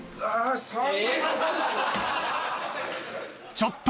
［ちょっと！